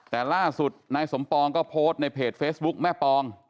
แต่ล่าสุดนายสมปองก็โพสต์ในเพจเฟซบุ๊คแม่ปอง